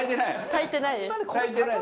炊いてないです。